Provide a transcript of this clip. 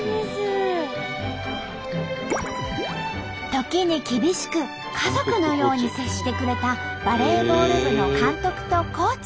時に厳しく家族のように接してくれたバレーボール部の監督とコーチ。